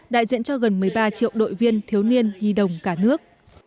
đại diện cho gần một mươi ba triệu đội viên thiếu niên di động cả nước